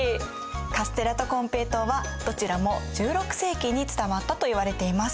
カステラとコンペイトウはどちらも１６世紀に伝わったといわれています。